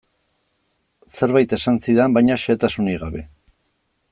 Zerbait esan zidan, baina xehetasunik gabe.